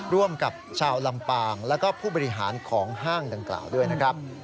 ร่วมกับชาวลำปางแล้วก็ผู้บริหารของห้างดังกล่าวด้วยนะครับ